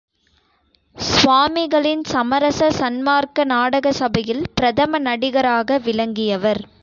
சுவாமிகளின் சமரச சன்மார்க்க நாடக சபையில் பிரதம நடிகராக விளங்கியவர்.